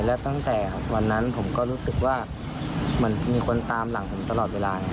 และตั้งแต่วันนั้นผมก็รู้สึกว่ามันมีคนตามหลังผมตลอดเวลา